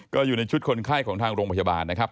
ก็อยู่ในชุดคนไข้ของทางโรงพยาบาลนะครับ